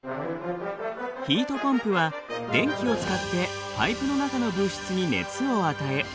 ヒートポンプは電気を使ってパイプの中の物質に熱を与え